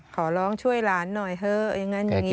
ขอร้องช่วยหลานหน่อยเถอะอย่างนั้นอย่างนี้